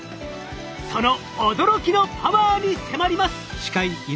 その驚きのパワーに迫ります！